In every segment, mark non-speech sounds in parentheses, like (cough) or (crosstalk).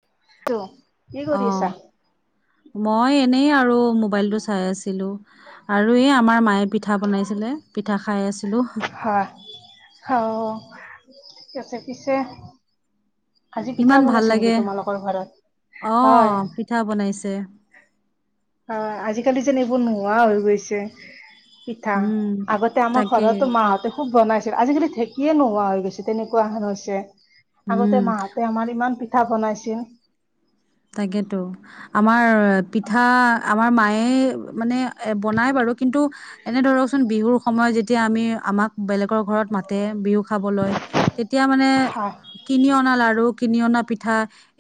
(unintelligible) আছা? অ'। মই এনেই আৰু মোবাইলটো চাই আছিলোঁ। আৰু এই আমাৰ মায়ে পিঠা বনাইছিলে। পিঠা খাই আছিলোঁ। হয়। হ- ঠিক আছে পিছে আজি পিঠা ইমান ভাল বনাইছে লাগে। নেকি তোমালোকৰ ঘৰত? হয়। অ' পিঠা বনাইছে। অ' আজিকালি যেন এইবোৰ নোহোৱা হৈ গৈছে। পিঠা। উম, আগতে আমাৰ তাকেই। ঘৰতো মাহঁতে খুব বনাইছিল। আজিকালি ঢেঁকিয়ে নোহোৱা হৈ গৈছে। তেনেকুৱা হৈছে। আগতে উম। মাহঁতে আমাৰ ইমান পিঠা বনাইছিল। তাকেতো। আমাৰ পিঠা আমাৰ মায়ে য়ে বনায় বাৰু। কিন্তু এনে ধৰকচোন, বিহুৰ সময়ত যেতিয়া আমি আমাক বেলেগৰ ঘৰত মাতে বিহু খাবলৈ, তেতিয়া মানে হয় কিনি অনা লাৰু কিনি অনা পিঠা,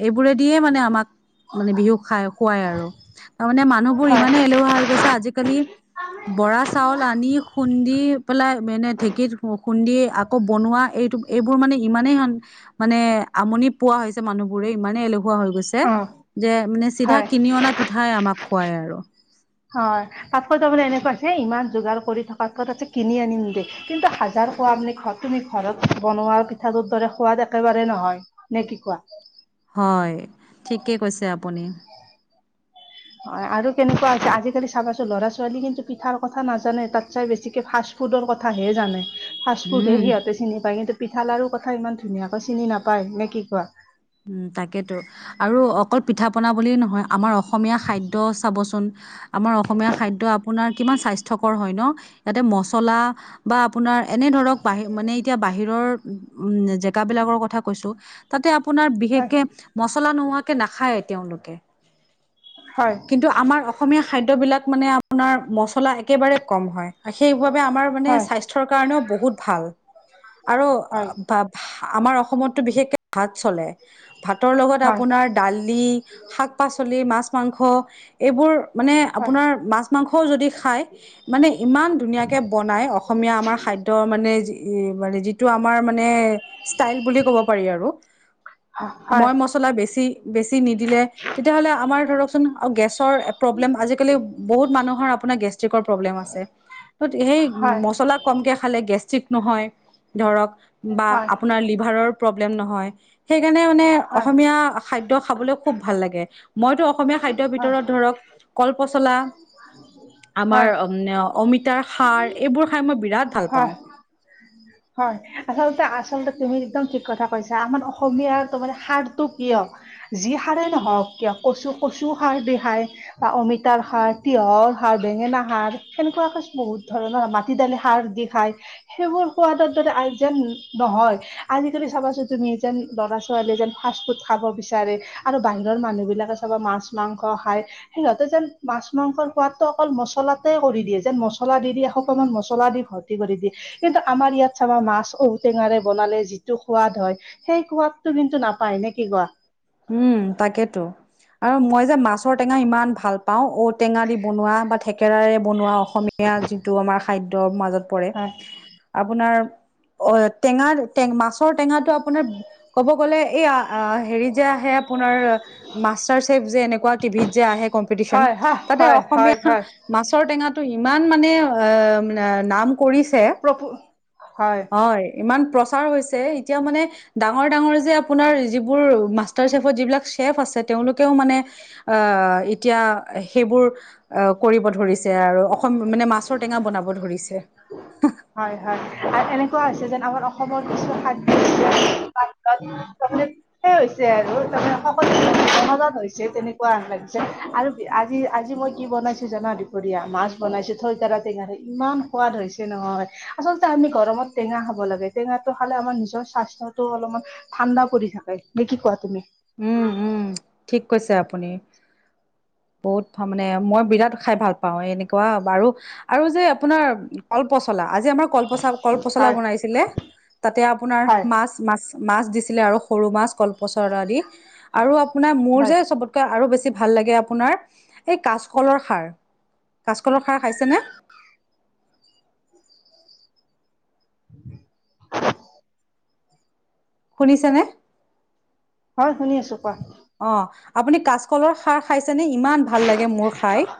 এইবোৰে দিয়ে মানে আমাক। মানে বিহু খাই- খুৱাই আৰু। তাৰমানে মানুহবোৰ হয় ইমানে এলেহুৱা হৈ গৈছে আজিকালি বৰা চাউল আনি খুন্দি পেলাই মেনে ঢেঁকীত খ- খুন্দি আকৌ বনোৱা এই এইটো- এইবোৰ মানে ইমানেই- মানে আমনি পোৱা হৈছে মানুহবোৰে, ইমানে এলেহুৱা হৈ গৈছে অ যে মানে চিধা হয় কিনি অনা পিঠাই আমাক খুৱায় আৰু। হয়, তাতকৈ তাৰমানে এনেকুৱা হৈছে, ইমান যোগাৰ কৰি থকাতকৈ তাতছে কিনি আনিম দে। কিন্তু হাজাৰ খোৱাম লি খোৱা, তুমি ঘৰত বনোৱা পিঠাটোৰ দৰে সোৱাদ একেবাৰে নহয়, নে কি কোৱা? হয়, ঠিকে কৈছে আপুনি। হয় আৰু কেনেকুৱা আছে, আজিকালি চাবাচোন। ল'ৰা-ছোৱালী কিন্তু পিঠাৰ কথা নাজানে। তাতচাই বেছিকে ফাষ্ ফুডৰ কথাহে জানে। ফাষ্ট ফুডহে উম সিহঁতে চিনি পায়। কিন্তু পিঠা-লাৰুৰ কথা ইমান ধুনীয়াকৈ চিনি নাপায়, নে কি কোৱা? উম, তাকেতো। আৰু অকল পিঠা-পনা বুলি নহয়, আমাৰ অস সমীয়া খাদ্য চাবচোন আমাৰ অসমীয়া খাদ্য আপোনাৰ কিমান স্বাস্থ্যকৰ হয় ন'? ইয়াতে মছলা বা আপোনাৰ এনেধৰক বাহি- মানে এতিয়া বহিৰৰ উম- জেগাবিলাকৰ কথা কৈছোঁ। তাতে আ আপোনাৰ হয় বিশেষকে মচলা নোহোৱাকে নাখায়ে তেওঁলোকে। হয় কিন্তু আমাৰ অসমীয়া খাদ্যবিলাক মানে আপোনাৰ মছলা একেবাৰে কম হয়। সেইবাবে আমাৰ মানে হয় স্বাস্থ্যৰ কাৰণেও বহুত ভাল। আৰু হয় আমাৰ অসমতটো বিশেষকে ভাত চলে ভাতৰ লগত হয় আপোনাৰ দালি শাক পাচলি মাছ মাংস এইবোৰ মানে হয় আপোনাৰ মাছ মাংসও যদি খাই মানে ইমান ধুনীয়াকে বনাই অসমীয়া আমাৰ খাদ্য মানে মানে যি টো আমাৰ মানে ষ্টাইল বুলি ক'ব পাৰি আৰু হয় মই মছলা বেছি বেছি নিদিলে তেতিয়াহ'লে আমাৰ ধৰকচোন গেছ প্ৰব্লেম আজিকালি মানুহৰ গেষ্টিকৰ প্ৰব্লেম আছে। হয় অলপ কমকৈ খালে গেষ্ট্ৰিক নহয় ধৰক বা হয় আপোনাৰ লিভাৰৰ প্ৰব্লেম নহয়। সেইকাৰণে মানে হয় হয় অসমীয়া খাদ্য খাবলৈ খুব ভাল লাগে। মইতো অসমীয়া খাদ্যৰ ভিতৰত ধৰক কলপচলা, আমাৰ হয় অ অমিতাৰ খাৰ এইবোৰ খাই মই বিৰাট ভাল হা পাওঁ (unintelligible) হয় আচলতে আচলতে তুমি একদম ঠিক কথা কৈছা আমাৰ অসমীয়াৰ তোমাৰে হাৰটো কিয় যি খাৰেই নহওঁক কিয়, কচু- কচু খাৰ দি খায় বা অমিতাৰ খাৰ, তিঁয়হ খাৰ, বেঙেনা খাৰ সেনেকুৱাকে বহুত ধৰণৰ, মাটি দালি খাৰ দি খায়। সেইবোৰ সোৱাদত যাতে আই- যেন নহয়। আজিকালি চাবাচোন তুমি যেন দৰা ল ছোৱালীয়ে যেন ফাষ্ট ফুড খাব বিচাৰে আৰু বাহিৰৰ মানুহ বিলাকে চাব মাছ মাংস খায় সিহঁ ততে যেন মাছ মাংসৰ সোৱাদটো অকল মছলাতে কৰি দিয়ে যেন মছলা দি দি আকৌ অকমান মছলা দি ঘৰত (unintelligible) দিয়ে কিন্তু আমাৰ ইয়াত চাবা মাছ ঔ টেঙাৰে বনালে যিটো সোৱাদ হয় সেই সোৱাদ কিন্তু নাপায় নে কি কোৱা। উম তাকেতো আৰু মই যে মাছৰ টেঙা ইমান ভাল পাও ঔটেঙা দি বনোৱা বা থেকেৰাাৰে বনোৱাও। অসমীয়া যিটো আমাৰ খাদ্যও মাজত পৰে হয় আপোনাৰ অ টেঙা মাছৰ টেঙাটো আপোনাৰ ক'ব গ'লে এই হেৰি আপোনাৰ মাষ্টাৰ চেফ টিভিত যে আহে হয় হয় যে হয় অসমীয়া হয় হয় মাছৰ টেঙাটো ইমান মানে আহ নাম কৰিছে। প্ৰপু হয় ইমান প্ৰচ্ এতিয়া মানে ডাঙৰ ডাঙৰ যিবোৰ মাষ্টাৰ চেফ যিবিলাক চেফ আছে তেওঁলোকে মানে এতিয়া সেইবোৰ কৰিব ধৰিছে আৰু অসম মানে মাছৰ টেঙা বনাব ধৰিছে। হয় হয় আৰু এনেকুৱা হৈছে যেন আমাৰ অসমৰ কিছু মানে হৈছে আৰু তাৰমানে সকলোতে জনাজাত হৈছে তেনেকুৱা লাগিছে আৰু আজি আজি মই কি বনাইছো জানা দুপৰীয়া মাছ বনাইছো থৈতৰা টেঙা ইমান সোৱাদ হৈছে নহয়। আচলতে আমি গৰমত টেঙা খাব লাগে টেঙাটো খালে আমাৰ নিজৰ স্বাস্থ্যতো অলপমান ঠাণ্ডা পৰি থাকে। নে কি কোৱা তুমি? উম উম ঠিক কৈছে আপুনি (unintelligible) (inaudible) বহুত মানে মই বিৰাট খাই ভাল পাও এনেকুৱা বাৰু আৰু যে আপোনাৰ কলপচলা আজ আজি আমাৰ কলপ কলপচলা হয় বনাইছিলে তাতে আপোনাৰ হয় মাছ মাছ মাছ দিছিলে আৰু সৰু মাছ কলপচলা আদি আৰু আপোনাৰ মোৰ হয় যে সবতকে আৰু বেছি ভাল লাগে আপোনাৰ এই কাচকলৰ খাৰ কাচকলৰ খাৰ খাইছেনে (unintelligible) (inaudible) শুনিছেনে হয় শুনি আছো কোৱা অ আপুনি কাচকলৰ সাৰ খাইছে নে ইমান ভাল লাগে মোৰ খাই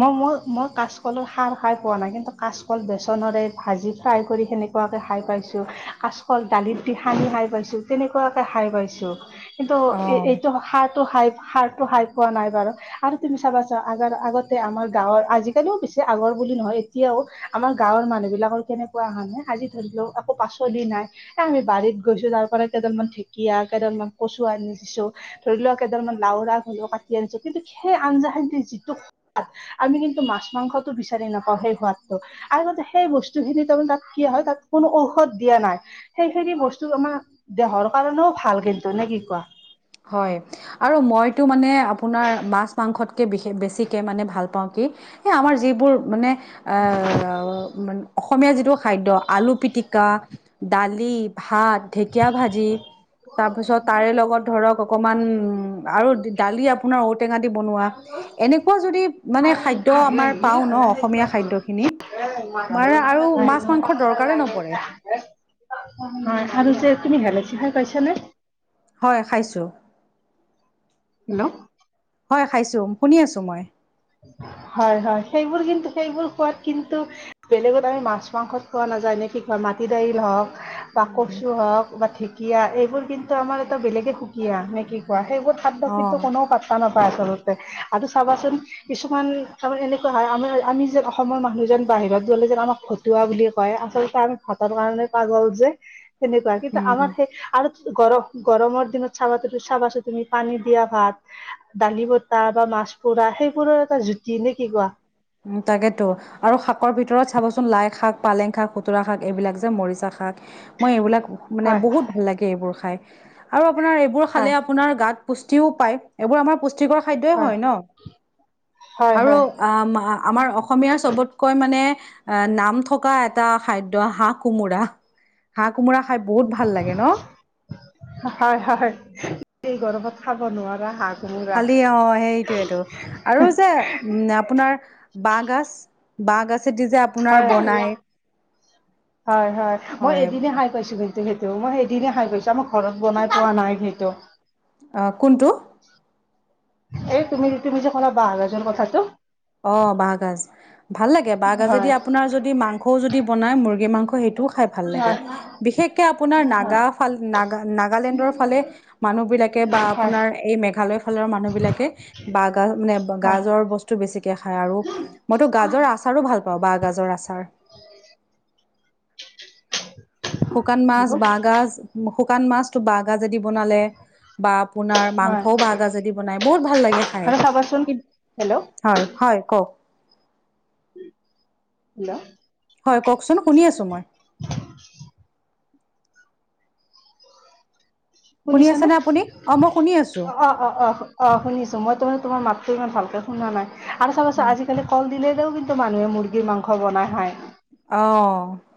মই মই মই কাচকলৰ সাৰ খাই পোৱা নাই কিন্তু কাচকল বেচনৰে ভাজি ফ্ৰাই কৰি সেনেকুৱাকে খাই পাইছ কাচকল দালিত দি সানি খাই পাইছো তেনেকুৱাকে খাই পাইছোঁ। কিন্তু এই অ এইটো সাৰটো হাই সাৰটো হাই পোৱা নাই বাৰু আৰু তুমি চাবা চা আগৰ আগতে আমাৰ গাঁৱৰ আজিকালিও আগৰ বুলি নহয় এতিয়াও আমাৰ গ গাঁৱৰ মানুহ বিলাকৰ কেনেকুৱা অ হা নাই আজি ধৰি লওক আকৌ পাচলি নাই এ আমি বাৰীত গৈছো তাৰ পৰা (unintelligible) কেইজন মান ঢেকীয়া কেইদালমান কচু আনি দিছো ধৰি লও কেইজন মান লাওৰা হৰিও কাটি আনিছো। কিন্তু সেই আঞ্জা খানিৰ যিটো সোৱাদ আমি কিন্তু মাছ মাংসটো বিচাৰি নাপাওঁ সেই সোৱাদটো। আৰুতে সেই বস্তু খিনি তাৰমানে তাত কি হয় তাত কোনো ঔষধ দিয়া নাই সেইখিনি বস্তু আমাৰ দেহৰ কাৰণেও ভাল কিন্তু নে কি কোৱা? হয় আৰু মইতো মানে আপোনাৰ মাছ মাংসতকে বিষেশ বেছিকে মানে ভাল পাওঁ কি। এ আমাৰ যিবোৰ মানে আহ অসমীয়া যিটো খাদ্য আলু পিটিকা, দালি, ভাত। ঢেকীয়া ভাজি, তাৰপিছত তাৰে লগত ধৰক আকমান আৰু দালি আপোনাৰ ঔটেঙা। বনোৱা এনেকুৱা যদি মানে খাদ্য আমাৰ পাও ন অসমীয়া খাদ্য খিনিত। আৰু যে। (unintelligible) দৰকাৰে নপৰে তুমি গেললে চিহাল কৈছা নে। (unintelligible) হয় খাইছোঁ। হেল্ল'। হয় খাইছোঁ শুনি আছোঁ মই। (inaudible) হয় হয় সেইবোৰ কিন্তু সেইবোৰ খোৱাদ কিন্তু, বেলেগত আমি মাছ মাংসত খোৱা নাযায় নে কি খ। মাটি দাইল হওক, বা উম, কচু হওক বা ঢেকীয়া এইবোৰ কিন্তু আমাৰ এটা বেলেগে সুকীয়া হয়। নে কি কোৱা? সেইবোৰ খাদ্য অ কিন্তু কোননেও পাত্তা নাপায় আচলতে আৰু চাবাচোন। কিছুমান কাৰ এনেকুৱা হয় আমাৰ আমি যেন অসমৰ মানুহ যেন বাহিৰত গলে যেন আমাক ঘটুৱা বুলি কয়। আচলতে আমি ভাতৰ কাৰণে পাগল যে সেনেকুৱা কিন্তু আমাৰ উম। সেই আৰু। গৰ গৰমৰ দিনত চাবা চাবাছা তুমি পানী দিয়া ভাত দালি বতা বা ম মাছ পুৰা সেইবোৰৰ এটা জুতি নে কি কোৱা। উ তাকেতো আৰু শাকৰ ভিতৰত চাবচোন লাই শাক পালেং শাক খুতুৰা শাক এইবিলাক যে মৰিচা শাক। শাক মই এইবিলাক মানে হয় বহুত ভাল লাগে এইবোৰ খাই। আৰু আপোনাৰ এইবোৰ হয় খালে আপোনাৰ গাত পুষ্টিও পায়। এইবোৰ আমাৰ পুষ্টি পুষ্টি খাদ্যই হয় ন? হয় আৰু আহ আমাৰ অসমীয়া চবতকৈ মানে মানে নাম থকা এটা খাদ্য হাঁহ কোমোৰা হাঁহ কোমোৰা। খাই বহুত ভাল লাগে ন হয় হয় এই গৰমত খাব নোৱাৰা হাঁহ। কোমোৰা খালি অ সেইটোৱেতটো আৰু যে উম আপোনাৰ বহগাজ- বাঁহগাজে দি যে আপোনাৰ হয় বনাই। হয় হয় মই এদিনে খাই পাইছো বে। সেইটো সেইটো মই সেইদিনে খাই গৈছো আমাৰ ঘৰত বনাই পোৱা নাই সেইটো। আহ কোনটো? এই তুমি তুমি যে কলা বহগাজৰ কথাটো। অ বাহগাজ, ভাল লাগে বাহগাজেদি হয় আপোনাৰ যদি মাংসও যদি বনাই মুৰ্গী। গী মাংস সেইটো। খাই ভাল লাগে, হয় বিশেষকে আপোনাৰ হয় নাগা ফাল না নাগালেণ্ডৰ ফালে মানুহ বিলাকে বা হয় আপোনাৰ এই মেঘালয় ফালৰ মানুহ বিলাকে, বাগা মানে গাজৰ বস্তু বেছিক খাই আৰু। মইতো গাজৰ আচাৰো ভাল পাওঁ বাঁহ গাজৰ আচাৰ। (unintelligible) শুকান মাছ হয় বাঁহগাজ শুকান মাছতটো বাঁহ গাজ যদি বনালে বা আপোনাৰ হয় মাংসও বাঁহগাজে দি বনাই বহুত ভাল লাগে খাই। সোণ। (unintelligible) হয় হয় কওক। হল। (inaudible) হয় কওকচোন শুনি আছোঁ মই। শুনি শুনিছ নে? আছেনে আপুনি? অ' মই শুনি আছো। অ অ অ অ অ শুনিছো মই তোম তোমাৰ মাত। ত ইমান ভালকে শুনা নাই। আৰু চাব চোন আজিকালি কল দিলেও কিন্তু মানুহে মুৰ্গীৰ মাংস বনাই খায়। অ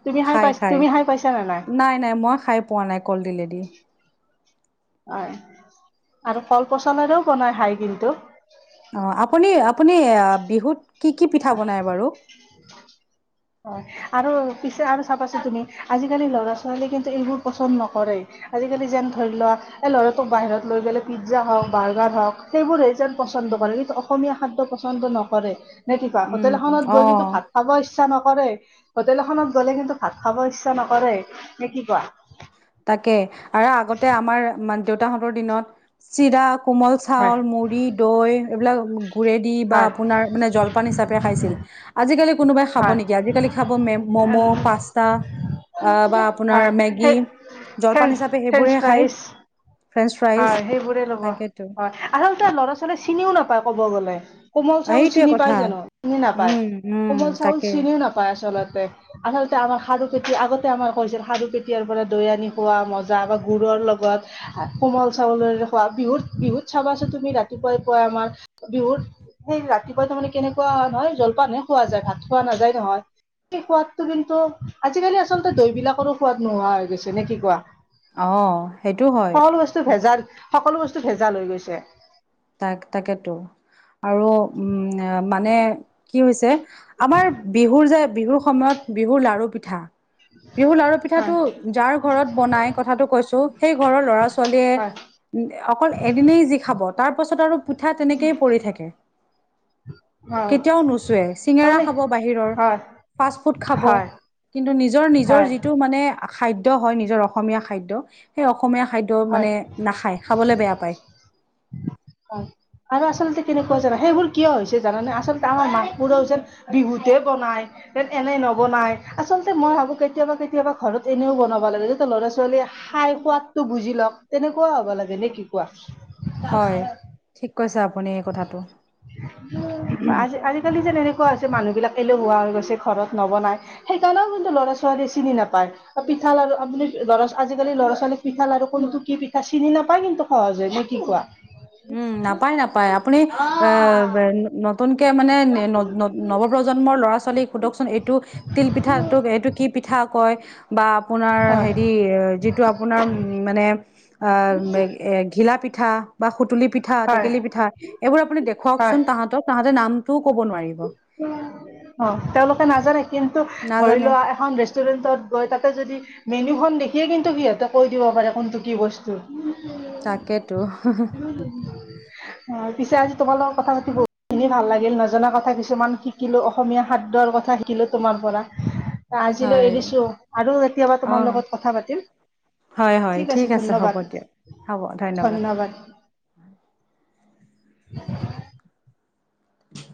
তুমি খাই খায় পাই খায়। তুমি খাই পাইছা নে নাই নাই মই খাই পোৱা নাই কলডিলেদি। হয় আৰু ফল পচলৰেও বনাই খাই কিন্তু। অ আপুনি আপুনি বিহুত কি কি পিঠা বনায় বাৰু। হয়। হয় আৰু পিছে আৰু চাব আছো তুমি আজিকালি লৰা-ছোৱালী কিন্তু এইবোৰ পচন্দ নকৰেই। আজিকালি যেন ধৰি লোৱা এ ল'ৰাটো বাহিৰত লৈ গলে পিজ্জা হওক বাৰ্গাৰ হওক সেইবোৰে যেন পচন্দ কৰে। কিন্তু, অসমীয়া খাদ্য পচন্দ নকৰে নে কি কোৱা? উম, হোটেল এখনত গৈ কিন্তু অ' ভাত খাব ইচ্ছা নকৰে। হোটেল এখনত গ'লে কিন্তু ভাত খাব ইচ্ছা নকৰে। নে কি কোৱা? তাকে আৰু আগতে আমাৰ মান দেউতাহঁতৰ দিনত চিৰা, কোমল হয় চাউল, মুড়ি দৈ এইবিলাক পৰেদি বা হয় আপোনাৰ মানে জলপান হিচাপে খাইছিল। আজিকালি কোনোবাই খাব হয় নেকি? আজিকালি খাব ম উম, মম' উম, পাষ্টা। আহ বা আপোনাৰ হয় মেগী সেই জলপান ফ্ৰেঞ্চ হিচাপে ফ্ৰেঞ্চ সেইবোৰেহে খায়। ফ্ৰাইজ ফ্ৰেঞ্চ ফ্ৰাইজ হয়, সেইবোৰে ল'ব। হয়, তাকেতো। আচলতে ল'ৰা- ছোৱালীয়ে চিনিও নাপায় কব গলে। কোমল চাউল এইটোৱে চিনি কথা পায় জানো? চিনি নাপায় উম উম কোমল চাউল তাকে চিনিও নাপায় আচলতে। আচলতে আমাৰ সাৰু পেটি আগতে আমাৰ কৰিছিল খাৰু পেটীয়াৰ পৰা দৈ আনি খোৱা মজা বা গুড়ৰ লগত। কোমল চাউলৰে খোৱা। বিহুত বিহুত চাবাচোন তুমি ৰাতিপুৱাই পুৱাই আমাৰ বিহুত সেই ৰাতিপুৱা তাৰমানে কেনেকুৱা হয়, নহ জলপান হহে খোৱা যায় ভাত খোৱা নাযায় নহয়। সেই সোৱাদটো কিন্তু আজিকালি আচলতে দৈ বিলাকৰ ও সোৱাদ নোহোৱা হৈ গৈছে। নে কি কোৱা? অ, সেইটো হয়। সকলো বস্তু ভেজাল সকলো বস্তু ভেজাল লৈ গৈছে। তাক তাকেতো আৰু উম মানে কি হৈছে আমাৰ বিহুৰ যে বিহুৰ সময়ত বিহুৰ লাাৰু পিঠা (inaudible) বিহুৰ লাৰু পিঠাটো হয় যাৰ ঘৰত বনাই কথাটো কৈছো সেই ঘৰৰ হয় লৰা-ছোৱালীয়ে অকল এদিনেই যি খাব তাৰ পাছত আৰু পিঠা তেনেকয় পৰি থাকে। হয় কেতিয়াও নুচোৱে চিঙেৰা তাৰমানে খাব বাহিৰৰ। হয় ফাষ্ট-ফুড খাব। হয় কিন্তু, নিজৰ নিজৰ হয় যিটো মানে, খাদ্য হয় নিজৰ অসমীয়া খাদ্য সেই অসমীয়া খাদ্য হয় মানে নাখায় খাবলৈ বেয়া পায় অ, আৰু আচলতে কেনেকুৱা জানা সেইবোৰ কিয় হৈছে জানানে আচলতে আমাৰ মাক বোৰৰ যে বিহু বনাই এনে নবনাই আচলতে মই ভাবো কেতিয়াবা কেতিয়াবা ঘৰত এনেও বনাব লাগে। ল'ৰা-ছোৱালীয়ে খাই শুৱাতটো বুজি লওক তেনেকুৱা হ'ব লাগে। নে কি কোৱা? (unintelligible) হয় ঠিক কৈছে আপুনি এই কথাটো আজি আজিকালি যে, এনে কোৱা হৈছে মানুহ বিলাক এলেহুৱা হৈ গৈছে। ঘৰত নবনাই সেইকাৰণেও কিন্তু ল'ৰা-ছোৱালীয়ে চিনি নাপায়। পিঠাল আৰু আপুনি আজিকালি ল'ৰা-ছোৱালী পিঠাল আৰু কোন টো কি পিঠা চিনি নাপায় কিন্তু সহজ হয় নে কি কোৱা? উম, নাপায় নাপায় আপুনি আহ নতুনকে মানে নৱপ্ৰজন্মৰ ল'ৰা-ছোৱালীক সোধকচোন এইটো তিল পিঠা এইটো কি (unintelligible) পিঠা কয়? বা আপোনাৰ হয় হেৰি যিটো আপোনাৰ মানে অ, এ ঘিলা পিঠা পিঠা বা সুতুলি পিঠ হয় তেকেলি পিঠা এইবোৰ আপুনি হয় দেখুৱাওচোন তাহতক তাহাঁতেৰ নাম (unintelligible) অ, তেওঁলোকে নাজানে। কিন্তু, ধৰি নাজানে, লোৱা এখন ৰেষ্টুৰেণ্টত গৈ তাতে যদি মেনুখন দেখিয়ে কিন্তু সিহঁতে কৈ দিব পাৰে কোনটো কি বস্তু। উ, তাকেতো। উ। অ, পিছে আজি তোমাৰ লগত কথা পাতি বহুত খিনি ভাল লাগিল, নজনা কথা কথা কিছুমান শিকিলো। অসমীয়া খাদ্যৰ কথা শিকিলো তোমাৰ পৰা। আজিলৈ হয়। এৰিছো আৰু কেতিয়াবা তোমাৰ অ', লগত কথা পাতিম। হয়, হয়। ঠিক আছে হ'ব ধন্যবাদ, দিয়ক। হ'ব, ধন্যবাদ। ধন্যবাদ। (unintelligible)